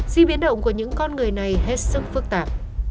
di biến động của những con người này hết sức phức tạp